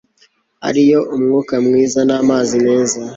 ariyo umwuka mwiza namazi meza